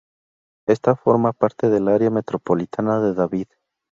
Esta forma parte del área metropolitana de David.